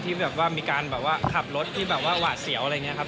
ที่มีการขับรถที่หวาดเสียวอะไรอย่างนี้ครับ